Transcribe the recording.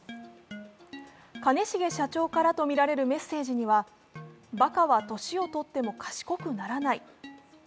兼重社長からとみられるメッセージにはバカは年を取っても賢くならない。